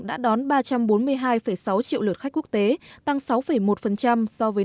đã đón ba trăm bốn mươi hai sáu triệu lượt khách quốc tế tăng sáu một so với năm hai nghìn một mươi bảy